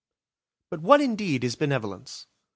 But what indeed is benevolence?